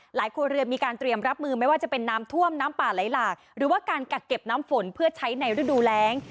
ครัวเรือนมีการเตรียมรับมือไม่ว่าจะเป็นน้ำท่วมน้ำป่าไหลหลากหรือว่าการกักเก็บน้ำฝนเพื่อใช้ในฤดูแรง